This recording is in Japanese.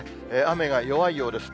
雨が弱いようです。